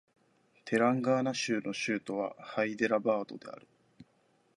テランガーナ州の州都はハイデラバードである